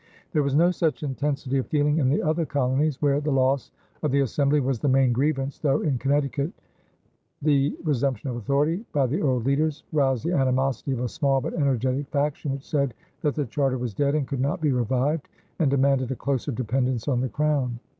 There was no such intensity of feeling in the other colonies, where the loss of the assembly was the main grievance, though in Connecticut the resumption of authority by the old leaders roused the animosity of a small but energetic faction which said that the charter was dead and could not be revived, and demanded a closer dependence on the Crown.